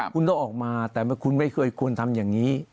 คุณต้องออกมาแต่คุณไม่เคยควรทำอย่างนี้